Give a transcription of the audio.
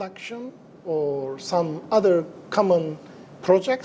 dari proyek proyek yang berbeda